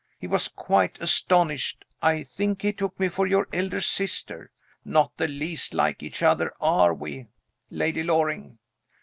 He was quite astonished. I think he took me for your elder sister. Not the least like each other are we, Lady Loring?